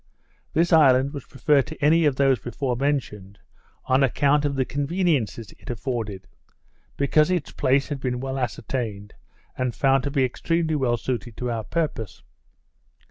This island was preferred to any of those before mentioned, on account of the conveniences it afforded; because its place had been well ascertained, and found to be extremely well suited to our purpose.